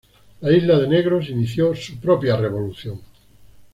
La isla de Negros inició su propia revolución.